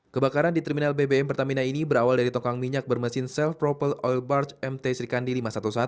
kebakaran di terminal bbm pertamina ini berawal dari tongkang minyak bermesin self proper oil barch mt serikandi lima ratus sebelas